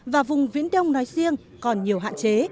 và vùng viễn đông nói riêng còn nhiều hạn chế